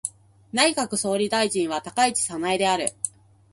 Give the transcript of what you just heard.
内閣総理大臣は高市早苗である。